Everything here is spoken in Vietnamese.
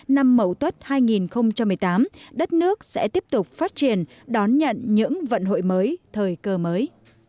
năm mậu tuất hai nghìn một mươi tám đất nước sẽ tiếp tục phát triển đón nhận những vận hội mới thời cơ mới